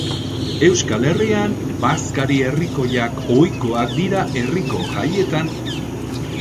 Euskal Herrian, bazkari herrikoiak ohikoak dira herriko jaietan.